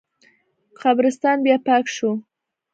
قبرستان بیا پاک شو.